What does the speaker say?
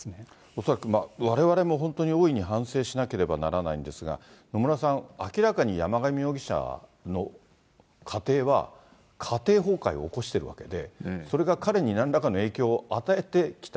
恐らくわれわれも本当に、大いに反省しなければならないんですが、野村さん、明らかに山上容疑者の家庭は、家庭崩壊を起こしてるわけで、それが彼に何らかの影響を与えてきた。